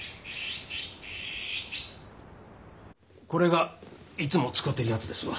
これがいつも使てるやつですわ。